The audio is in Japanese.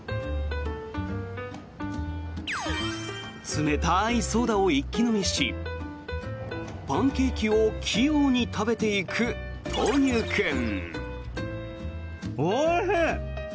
冷たいソーダを一気飲みしパンケーキを器用に食べていく豆乳くん。